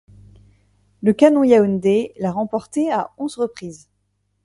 Le Canon Yaoundé l'a remportée à onze reprises.